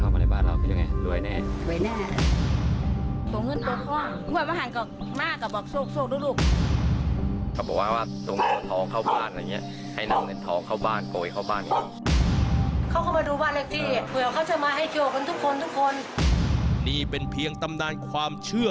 ทำอะไรบ้างเราคิดยังไงรวยแน่